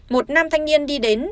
một nam thanh niên đi đến